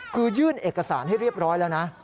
คือยื่นเอกสารให้เรียบร้อยแล้วนะ